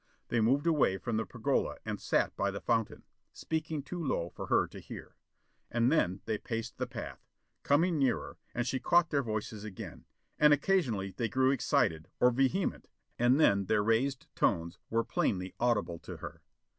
They moved away from the pergola and sat by the fountain, speaking too low for her to hear. And then they paced the path, coming nearer, and she caught their voices again. And occasionally they grew excited, or vehement, and then their raised tones were plainly audible to her.